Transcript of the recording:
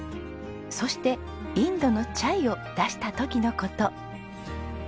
そしてインドのチャイを出した時の事。